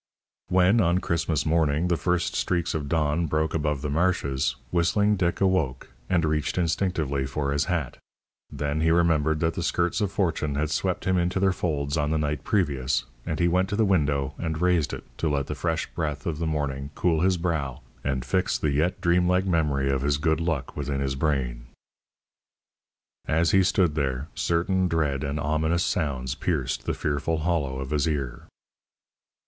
When, on Christmas morning, the first streaks of dawn broke above the marshes, Whistling Dick awoke, and reached instinctively for his hat. Then he remembered that the skirts of Fortune had swept him into their folds on the night previous, and he went to the window and raised it, to let the fresh breath of the morning cool his brow and fix the yet dream like memory of his good luck within his brain. As he stood there, certain dread and ominous sounds pierced the fearful hollow of his ear.